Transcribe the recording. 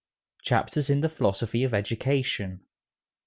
CHAPTERS IN THE PHILOSOPHY OF EDUCATION.